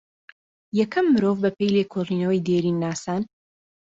یەکەم مرۆڤ بە پێێ لێکۆڵێنەوەی دێرین ناسان